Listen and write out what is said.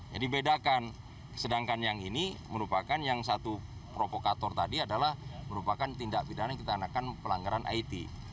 yang dibedakan sedangkan yang ini merupakan yang satu provokator tadi adalah merupakan tindak pidana yang kita anakan pelanggaran it